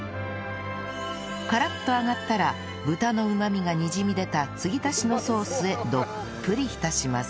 カラッと揚がったらブタのうまみがにじみ出た継ぎ足しのソースへどっぷり浸します